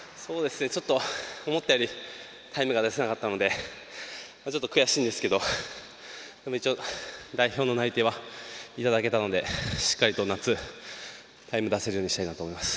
ちょっと思ったよりタイムが出せなかったのでちょっと悔しいんですけど一応、代表の内定はいただけたので、しっかりと夏タイム出せるようにしたいなと思います。